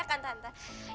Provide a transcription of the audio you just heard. iya kan tante